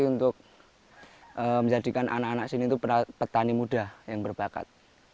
untuk menjadikan anak anak sini itu petani muda yang berbakat